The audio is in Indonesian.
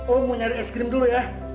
oh mau nyari es krim dulu ya